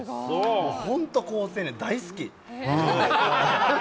本当好青年、大好き。